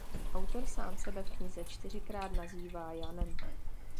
Autor sám sebe v knize čtyřikrát nazývá Janem.